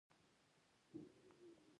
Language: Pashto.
د پانګونې کچه ډېره ټیټه ده.